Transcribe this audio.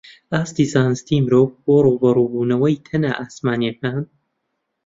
ئاستی زانستی مرۆڤ بۆ ڕووبەڕووبوونەوەی تەنە ئاسمانییەکان